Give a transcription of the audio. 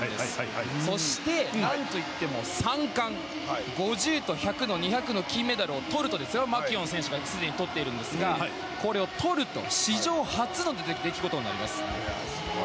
そしてなんといっても３冠５０と１００と２００の金メダルを取るとマキュオン選手がすでに取っているんですがこれを取ると史上初の出来事になります。